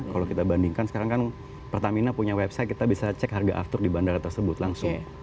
kalau kita bandingkan sekarang kan pertamina punya website kita bisa cek harga aftur di bandara tersebut langsung